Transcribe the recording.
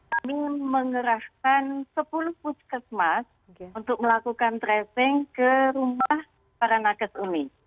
kami mengerahkan sepuluh puskesmas untuk melakukan tracing ke rumah para nakas umi